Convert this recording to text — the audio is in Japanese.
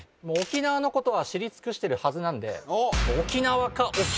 もう沖縄のことは知り尽くしてるはずなんであっ